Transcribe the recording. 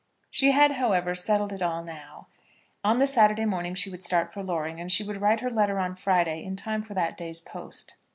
She had, however, settled it all now. On the Saturday morning she would start for Loring, and she would write her letter on the Friday in time for that day's post.